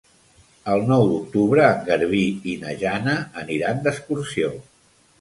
El nou d'octubre en Garbí i na Jana aniran d'excursió.